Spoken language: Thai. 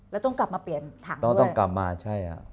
แล้วต้องกลับมาเปลี่ยนถังต้องกลับมาใช่ครับ